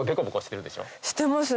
してますね